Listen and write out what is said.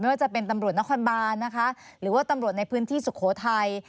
ว่าจะเป็นตำรวจนครบานนะคะหรือว่าตำรวจในพื้นที่สุโขทัย